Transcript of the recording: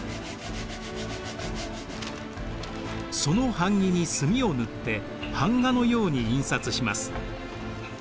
その版木に墨を塗って版画のように印刷します。